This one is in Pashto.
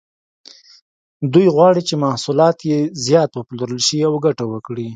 دوی غواړي چې محصولات یې زیات وپلورل شي او ګټه وکړي.